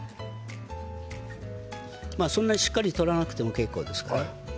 そんなにしっかり取らなくても結構です。